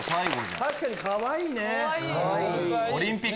確かにかわいいね！